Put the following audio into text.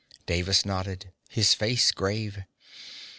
Davis nodded, his face grave.